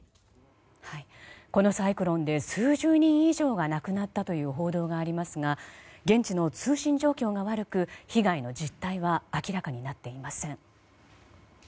このサイクロンで数十人以上が亡くなったという報道がありますが現地の通信状況が悪く被害の実態は明らかになっていません。